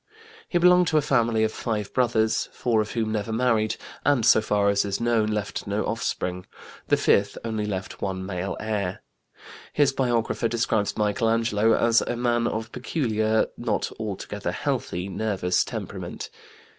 He belonged to a family of 5 brothers, 4 of whom never married, and so far as is known left no offspring; the fifth only left 1 male heir. His biographer describes Michelangelo as "a man of peculiar, not altogether healthy, nervous temperament."